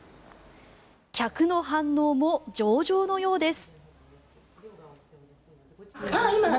客の反応も上々のようです。